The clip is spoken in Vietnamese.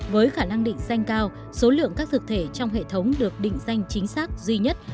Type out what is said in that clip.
với khả năng định danh cao số lượng các thực thể trong hệ thống được định danh chính xác duy nhất